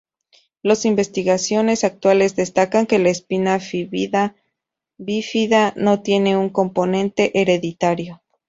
Las investigaciones actuales destacan que la espina bífida no tiene un componente hereditario.